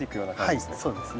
はいそうですね。